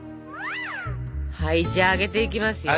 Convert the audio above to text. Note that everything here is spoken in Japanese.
はいじゃあ揚げていきますよ。